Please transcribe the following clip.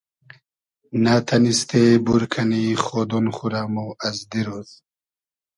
نۂ تئنیستې بور کئنی خۉدۉن خو رۂ مۉ از دیرۉز